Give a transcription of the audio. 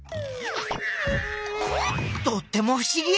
とってもふしぎ！